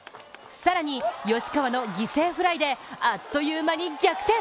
更に吉川の犠牲フライであっという間に逆転！